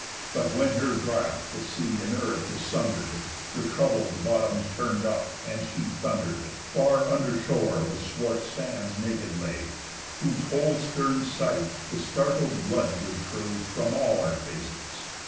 But when her draught the sea and earth dissunder'd, The troubled bottoms turn'd up, and she thunder'd, Far under shore the swart sands naked lay. Whose whole stern sight the startled blood did fray From all our faces.